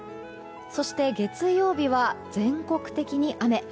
そして、月曜日は全国的に雨。